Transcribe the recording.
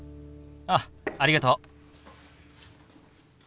あっありがとう。